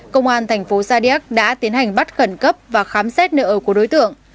công an thành phố sa điếc đã tiến hành bắt khẩn cấp và khám xét nợ của đối tượng